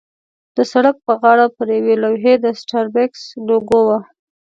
د سړک پر غاړه پر یوې لوحې د سټاربکس لوګو وه.